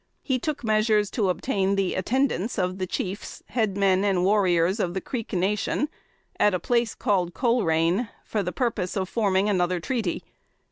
He took measures to obtain the attendance of the Chiefs, head men and warriors of the Creek nation, at a place called Colerain, for the purpose of forming another treaty.